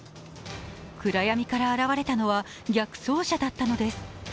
暗闇から現れたのは逆走車だったのです。